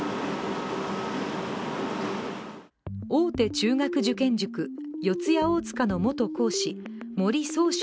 大手中学受験塾・四谷大塚の元講師森崇翔